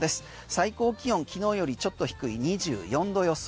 最高気温、昨日よりちょっと低い２４度予想。